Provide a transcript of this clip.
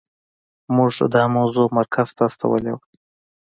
موږ دا موضوع مرکز ته استولې وه.